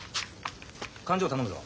勘定頼むぞ。